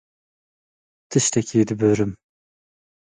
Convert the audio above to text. Tiştekî dibirim.